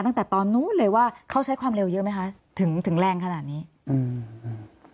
ตั้งแต่ตอนนู้นเลยว่าเขาใช้ความเร็วเยอะไหมคะถึงถึงแรงขนาดนี้อืม